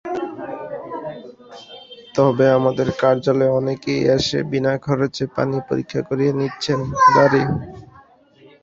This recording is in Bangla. তবে আমাদের কার্যালয়ে অনেকেই এসে বিনা খরচে পানি পরীক্ষা করিয়ে নিচ্ছেন।